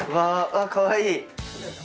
かわいい！